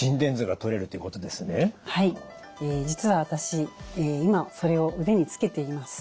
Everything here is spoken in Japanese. はい実は私今それを腕につけています。